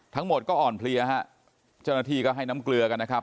ทั้งหมดก็อ่อนเพลียฮะเจ้าหน้าที่ก็ให้น้ำเกลือกันนะครับ